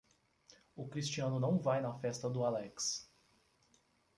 O Cristiano não vai na festa do Alex.